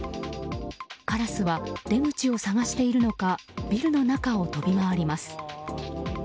カラスは出口を探しているのかビルの中を飛び回ります。